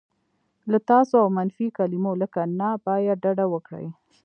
له "تاسو" او منفي کلیمو لکه "نه باید" ډډه وکړئ.